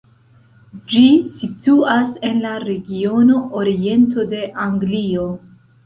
Ĝi situas en la regiono Oriento de Anglio.